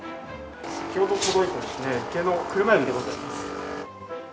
先ほど届いた生けの車エビでございます。